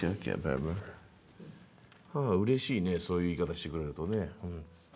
うれしいねそういう言い方してくれるとね。